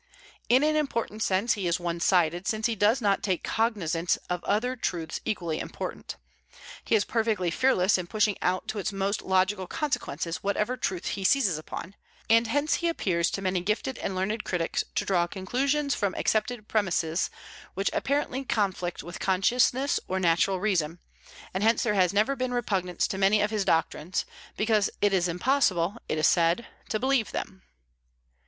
In an important sense he is one sided, since he does not take cognizance of other truths equally important. He is perfectly fearless in pushing out to its most logical consequences whatever truth he seizes upon; and hence he appears to many gifted and learned critics to draw conclusions from accepted premises which apparently conflict with consciousness or natural reason; and hence there has ever been repugnance to many of his doctrines, because it is impossible, it is said, to believe them.